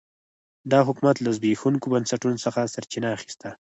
دا حکومت له زبېښونکو بنسټونو څخه سرچینه اخیسته.